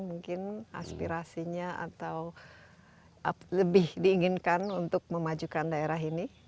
mungkin aspirasinya atau lebih diinginkan untuk memajukan daerah ini